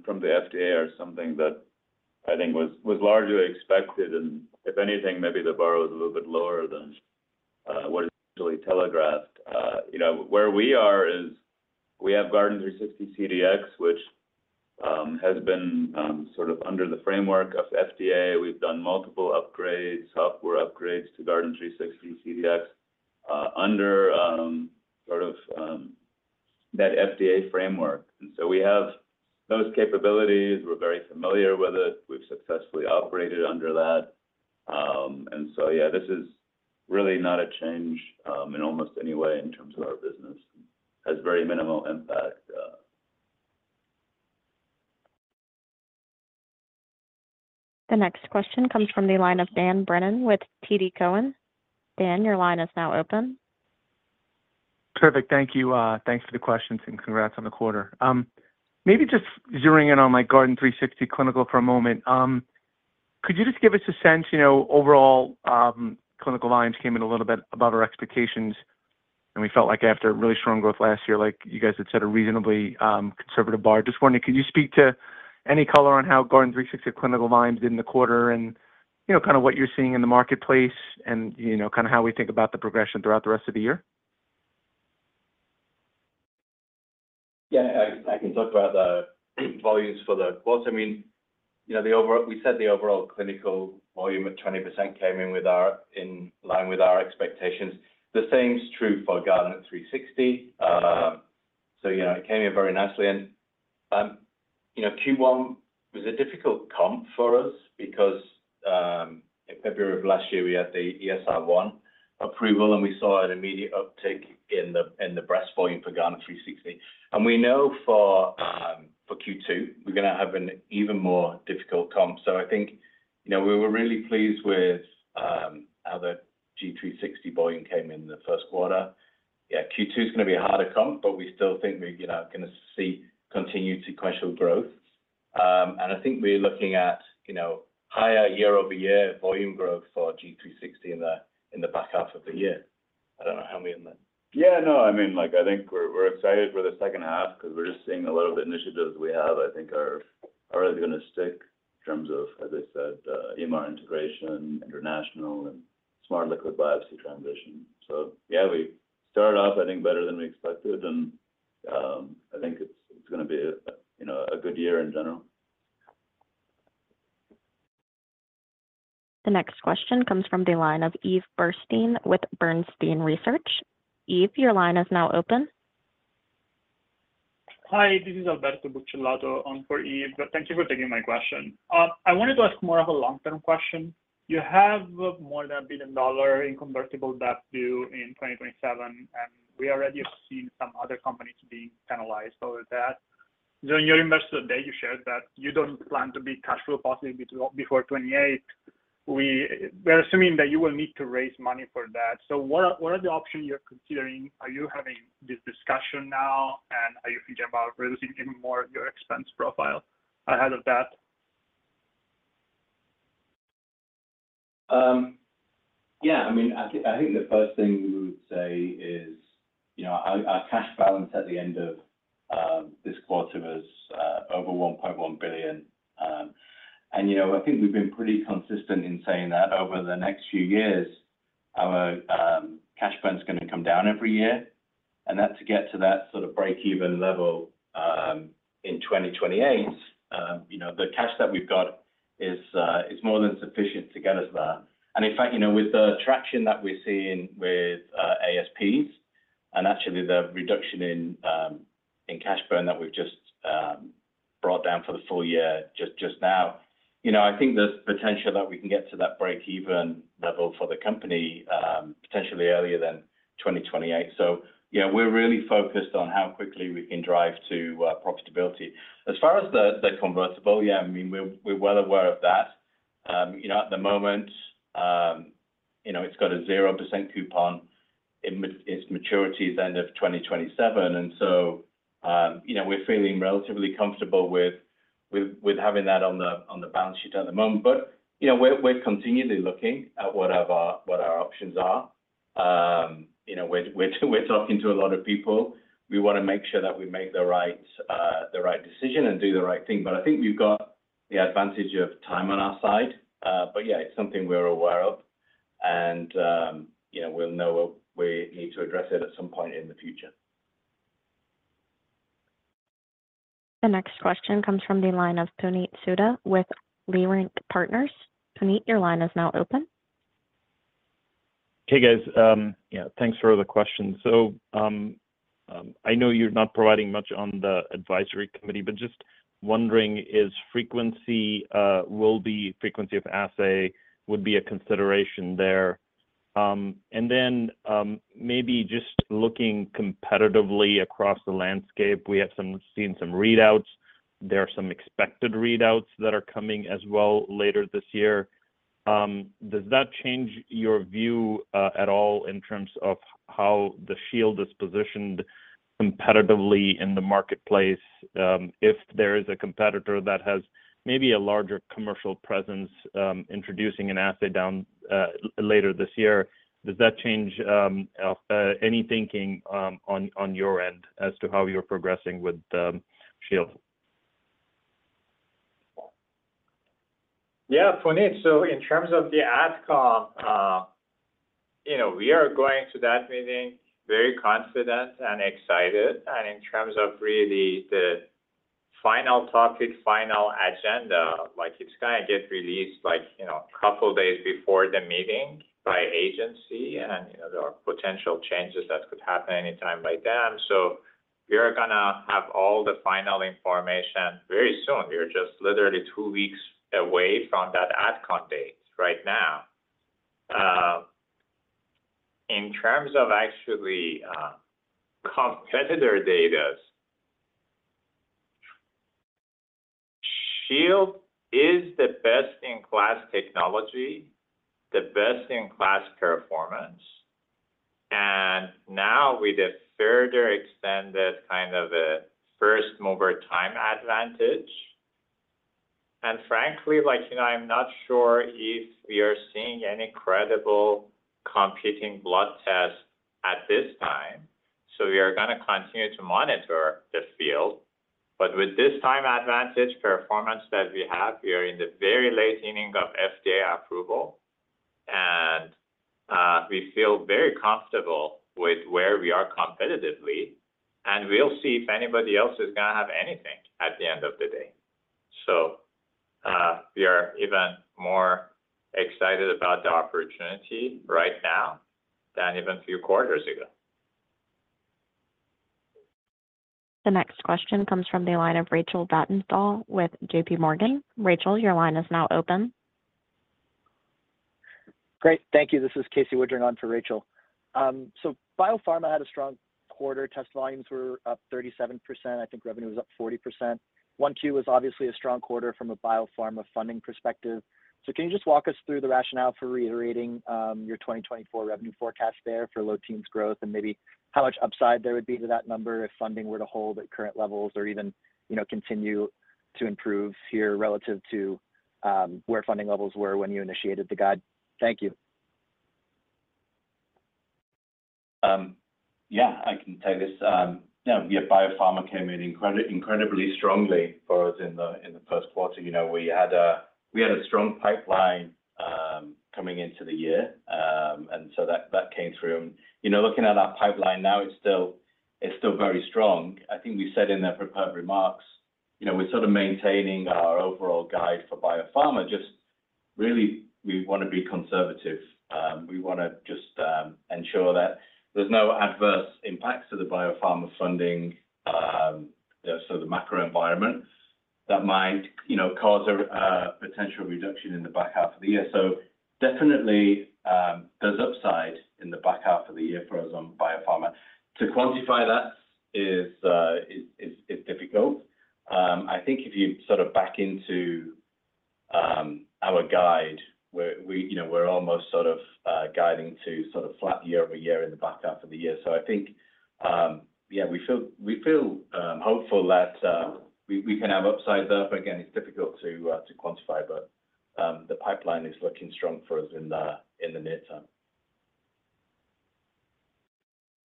from the FDA are something that I think was largely expected. And if anything, maybe the bar was a little bit lower than what is usually telegraphed. Where we are is we have Guardant360 CDx, which has been sort of under the framework of FDA. We've done multiple upgrades, software upgrades to Guardant360 CDx under sort of that FDA framework. And so we have those capabilities. We're very familiar with it. We've successfully operated under that. And so yeah, this is really not a change in almost any way in terms of our business. It has very minimal impact. The next question comes from the line of Dan Brennan with TD Cowen. Dan, your line is now open. Perfect. Thank you. Thanks for the questions and congrats on the quarter. Maybe just zeroing in on Guardant360 Clinical for a moment, could you just give us a sense? Overall, clinical volumes came in a little bit above our expectations. We felt like after really strong growth last year, you guys had set a reasonably conservative bar. Just wondering, could you speak to any color on how Guardant360 clinical volumes did in the quarter and kind of what you're seeing in the marketplace and kind of how we think about the progression throughout the rest of the year? Yeah, I can talk about the volumes for the quarter. I mean, we said the overall clinical volume at 20% came in in line with our expectations. The same's true for Guardant360. So it came in very nicely. And Q1 was a difficult comp for us because in February of last year, we had the ESR1 approval, and we saw an immediate uptick in the breast volume for Guardant360. And we know for Q2, we're going to have an even more difficult comp. So I think we were really pleased with how the G360 volume came in the first quarter. Yeah, Q2's going to be a harder comp, but we still think we're going to see continued sequential growth. And I think we're looking at higher year-over-year volume growth for G360 in the back half of the year. I don't know. Help me on that. Yeah, no, I mean, I think we're excited for the second half because we're just seeing a lot of the initiatives we have, I think, are really going to stick in terms of, as I said, EMR integration, international, and Smart Liquid Biopsy transition. So yeah, we started off, I think, better than we expected. And I think it's going to be a good year in general. The next question comes from the line of Eve Burstein with Bernstein Research. Eve, your line is now open. Hi, this is Alberto Buccellato on for Eve. Thank you for taking my question. I wanted to ask more of a long-term question. You have more than $1 billion in convertible debt due in 2027, and we already have seen some other companies being penalized over that. So in your investor day, you shared that you don't plan to be cash flow positive before 2028. We're assuming that you will need to raise money for that. So what are the options you're considering? Are you having this discussion now, and are you thinking about reducing even more your expense profile ahead of that? Yeah, I mean, I think the first thing we would say is our cash balance at the end of this quarter was over $1.1 billion. I think we've been pretty consistent in saying that over the next few years, our cash burn's going to come down every year. To get to that sort of break-even level in 2028, the cash that we've got is more than sufficient to get us there. In fact, with the traction that we're seeing with ASPs and actually the reduction in cash burn that we've just brought down for the full year just now, I think there's potential that we can get to that break-even level for the company potentially earlier than 2028. We're really focused on how quickly we can drive to profitability. As far as the convertible, yeah, I mean, we're well aware of that. At the moment, it's got a 0% coupon. Its maturity is end of 2027. And so we're feeling relatively comfortable with having that on the balance sheet at the moment. But we're continually looking at what our options are. We're talking to a lot of people. We want to make sure that we make the right decision and do the right thing. But I think we've got the advantage of time on our side. But yeah, it's something we're aware of. And we'll know we need to address it at some point in the future. The next question comes from the line of Puneet Souda with Leerink Partners. Puneet, your line is now open. Hey, guys. Thanks for the question. So I know you're not providing much on the advisory committee, but just wondering, is frequency of assay would be a consideration there? And then maybe just looking competitively across the landscape, we have seen some readouts. There are some expected readouts that are coming as well later this year. Does that change your view at all in terms of how the Shield is positioned competitively in the marketplace? If there is a competitor that has maybe a larger commercial presence introducing an assay later this year, does that change any thinking on your end as to how you're progressing with Shield? Yeah, Puneet. So in terms of the adcom, we are going to that meeting very confident and excited. And in terms of really the final topic, final agenda, it's going to get released a couple of days before the meeting by agency. And there are potential changes that could happen anytime by then. So we are going to have all the final information very soon. We are just literally 2 weeks away from that adcom date right now. In terms of actually competitor data, Shield is the best-in-class technology, the best-in-class performance. And now with a further extended kind of a first-mover time advantage. And frankly, I'm not sure if we are seeing any credible competing blood tests at this time. So we are going to continue to monitor the field. But with this time advantage, performance that we have, we are in the very late inning of FDA approval. We feel very comfortable with where we are competitively. We'll see if anybody else is going to have anything at the end of the day. We are even more excited about the opportunity right now than even a few quarters ago. The next question comes from the line of Rachel Vatnsdal with JPMorgan. Rachel, your line is now open. Great. Thank you. This is Casey Woodring on for Rachel. So biopharma had a strong quarter. Test volumes were up 37%. I think revenue was up 40%. 1Q was obviously a strong quarter from a biopharma funding perspective. So can you just walk us through the rationale for reiterating your 2024 revenue forecast there for low-teens growth and maybe how much upside there would be to that number if funding were to hold at current levels or even continue to improve here relative to where funding levels were when you initiated the guide? Thank you. Yeah, I can tell you this. Yeah, biopharma came in incredibly strongly for us in the first quarter. We had a strong pipeline coming into the year. And so that came through. And looking at our pipeline now, it's still very strong. I think we said in the prepared remarks, we're sort of maintaining our overall guide for biopharma. Just really, we want to be conservative. We want to just ensure that there's no adverse impacts to the biopharma funding, so the macroenvironment, that might cause a potential reduction in the back half of the year. So definitely, there's upside in the back half of the year for us on biopharma. To quantify that is difficult. I think if you sort of back into our guide, we're almost sort of guiding to sort of flat year-over-year in the back half of the year. I think, yeah, we feel hopeful that we can have upside there. Again, it's difficult to quantify. The pipeline is looking strong for us in the near term.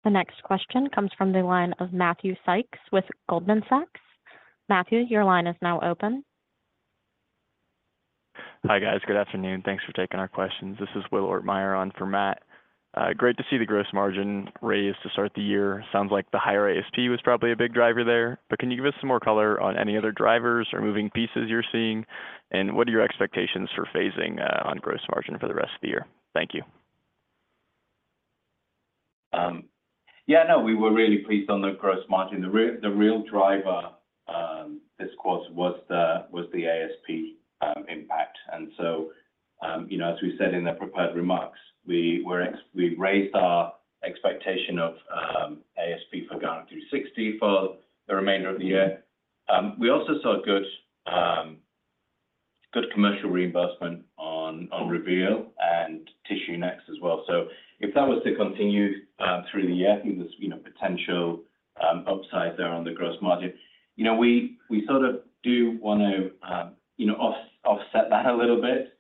The next question comes from the line of Matthew Sykes with Goldman Sachs. Matthew, your line is now open. Hi, guys. Good afternoon. Thanks for taking our questions. This is Will Ortmayer on for Matt. Great to see the gross margin raised to start the year. Sounds like the higher ASP was probably a big driver there. But can you give us some more color on any other drivers or moving pieces you're seeing? And what are your expectations for phasing on gross margin for the rest of the year? Thank you. Yeah, no, we were really pleased on the gross margin. The real driver this quarter was the ASP impact. And so as we said in the prepared remarks, we raised our expectation of ASP for Guardant360 for the remainder of the year. We also saw good commercial reimbursement on Reveal and TissueNext as well. So if that was to continue through the year, I think there's potential upside there on the gross margin. We sort of do want to offset that a little bit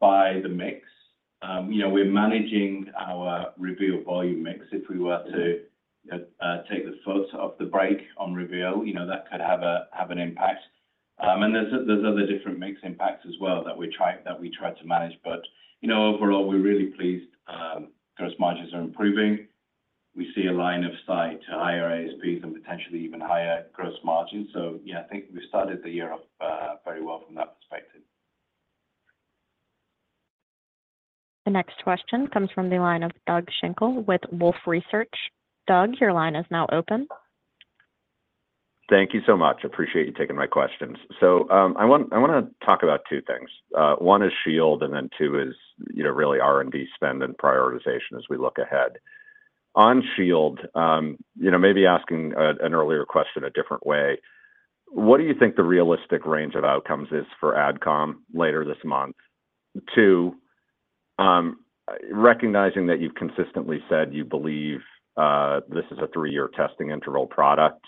by the mix. We're managing our Reveal volume mix. If we were to take the photos off the break on Reveal, that could have an impact. And there's other different mix impacts as well that we try to manage. But overall, we're really pleased. Gross margins are improving. We see a line of sight to higher ASPs and potentially even higher gross margins. Yeah, I think we started the year very well from that perspective. The next question comes from the line of Doug Schenkel with Wolfe Research. Doug, your line is now open. Thank you so much. Appreciate you taking my questions. So I want to talk about two things. One is Shield, and then two is really R&D spend and prioritization as we look ahead. On Shield, maybe asking an earlier question a different way. What do you think the realistic range of outcomes is for adcom later this month? Two, recognizing that you've consistently said you believe this is a three-year testing interval product,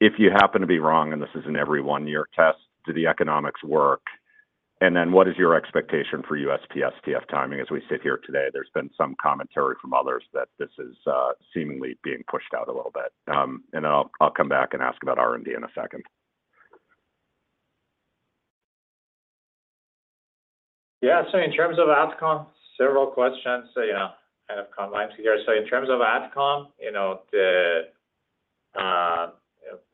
if you happen to be wrong and this is an every-one-year test, do the economics work? And then what is your expectation for USPSTF timing? As we sit here today, there's been some commentary from others that this is seemingly being pushed out a little bit. And then I'll come back and ask about R&D in a second. Yeah, so in terms of AdCom, several questions kind of come up here. So in terms of AdCom,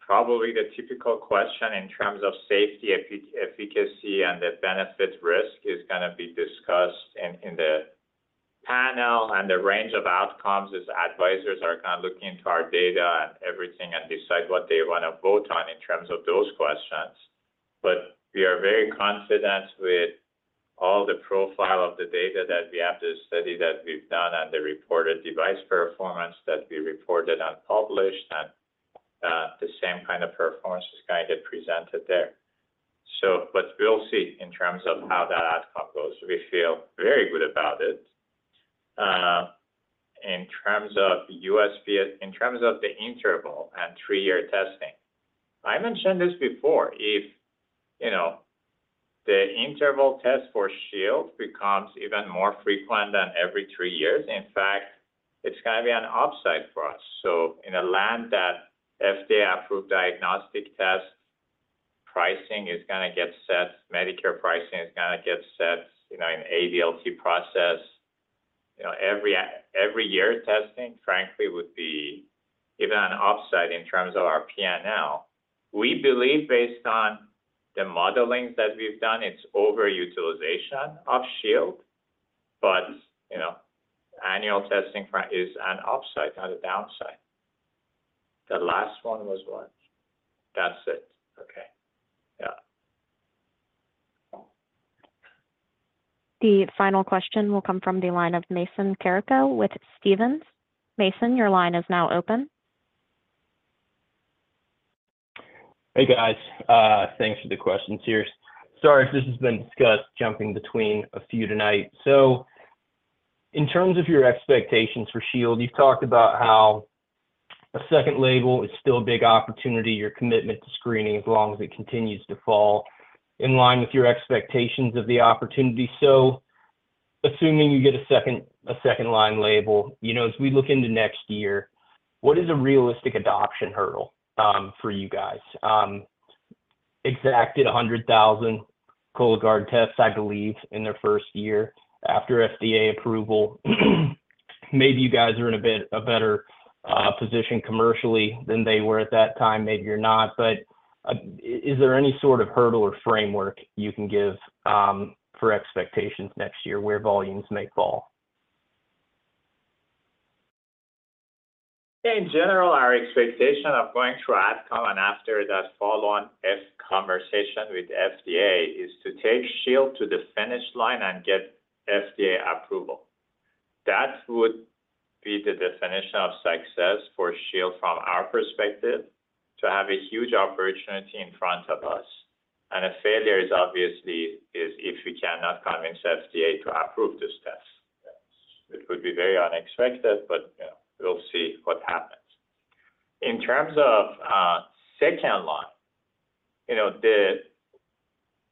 probably the typical question in terms of safety, efficacy, and the benefit-risk is going to be discussed in the panel. And the range of outcomes is advisors are kind of looking into our data and everything and decide what they want to vote on in terms of those questions. But we are very confident with all the profile of the data that we have to study that we've done and the reported device performance that we reported and published. And the same kind of performance is going to get presented there. But we'll see in terms of how that AdCom goes. We feel very good about it. In terms of USP in terms of the interval and three-year testing, I mentioned this before. If the interval test for Shield becomes even more frequent than every three years, in fact, it's going to be an upside for us. So in a land that FDA-approved diagnostic test pricing is going to get set, Medicare pricing is going to get set in ADLT process, every-year testing, frankly, would be even an upside in terms of our P&L. We believe, based on the modelings that we've done, it's overutilization of Shield. But annual testing is an upside, not a downside. The last one was what? That's it. Okay. Yeah. The final question will come from the line of Mason Carrico with Stephens. Mason, your line is now open. Hey, guys. Thanks for the questions. Sorry if this has been discussed, jumping between a few tonight. So in terms of your expectations for Shield, you've talked about how a second label is still a big opportunity. Your commitment to screening as long as it continues to fall in line with your expectations of the opportunity. So assuming you get a second-line label, as we look into next year, what is a realistic adoption hurdle for you guys? Exactly 100,000 Cologuard tests, I believe, in their first year after FDA approval. Maybe you guys are in a better position commercially than they were at that time. Maybe you're not. But is there any sort of hurdle or framework you can give for expectations next year where volumes may fall? In general, our expectation of going through adcom and after that follow-on conversation with FDA is to take Shield to the finish line and get FDA approval. That would be the definition of success for Shield from our perspective, to have a huge opportunity in front of us. And a failure is obviously if we cannot convince FDA to approve this test. It would be very unexpected, but we'll see what happens. In terms of second line, the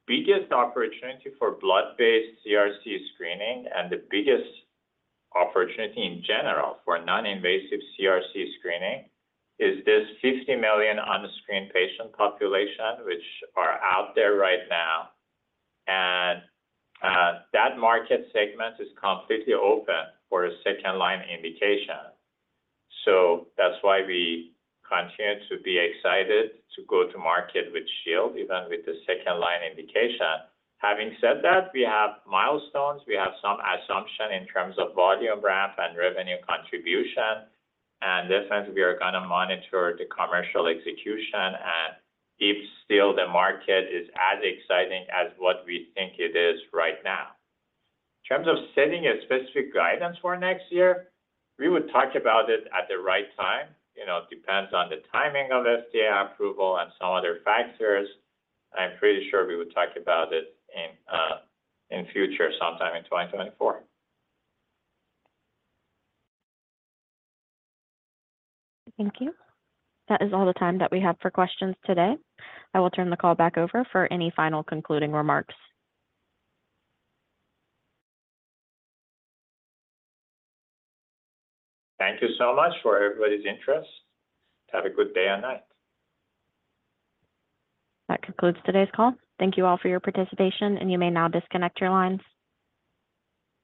biggest opportunity for blood-based CRC screening and the biggest opportunity in general for non-invasive CRC screening is this 50 million unscreened patient population which are out there right now. And that market segment is completely open for a second-line indication. So that's why we continue to be excited to go to market with Shield, even with the second-line indication. Having said that, we have milestones. We have some assumption in terms of volume ramp and revenue contribution. Definitely, we are going to monitor the commercial execution if still the market is as exciting as what we think it is right now. In terms of setting a specific guidance for next year, we would talk about it at the right time. Depends on the timing of FDA approval and some other factors. I'm pretty sure we would talk about it in future, sometime in 2024. Thank you. That is all the time that we have for questions today. I will turn the call back over for any final concluding remarks. Thank you so much for everybody's interest. Have a good day and night. That concludes today's call. Thank you all for your participation, and you may now disconnect your lines.